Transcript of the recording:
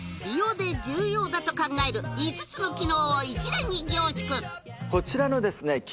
美容で重要だと考える５つの機能を１台に凝縮こちらのですね